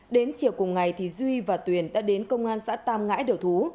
đến chiều cùng ngày thì duy và tuyền đã đến công an xã tam ngãi đầu thú